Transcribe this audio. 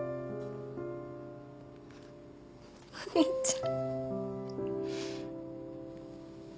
お兄ちゃん。